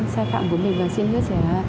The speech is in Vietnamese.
sai phạm của mình và xin hứa sẽ